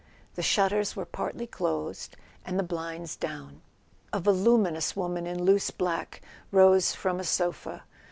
The shutters were partly closed, and the blinds down. A voluminous woman in loose black rose from a sofa.